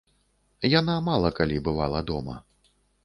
Яна мала калі бывала дома.